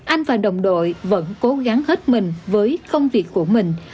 anh và đồng đội vẫn cố gắng hết mình với công việc của mình